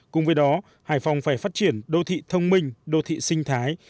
cùng với đó hải phòng phải phát triển đô thị thông minh đô thị sinh thái